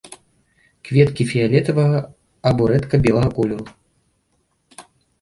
Кветкі фіялетавага або рэдка белага колеру.